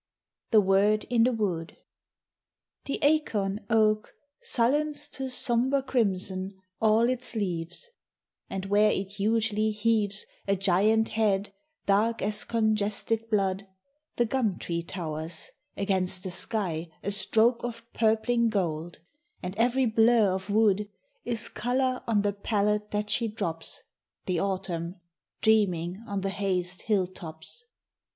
THE WORD IN THE WOOD I The acorn oak Sullens to sombre crimson all its leaves; And where it hugely heaves A giant head dark as congested blood, The gum tree towers, against the sky a stroke Of purpling gold; and every blur of wood Is color on the pallet that she drops, The Autumn, dreaming on the hazed hilltops.